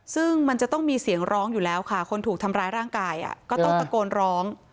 ซึ่งมันจะต้องมีเสียงร้องอยู่แล้วค่ะคนถูกทำร้ายร่างกายก็ต้องตะโกนร้อง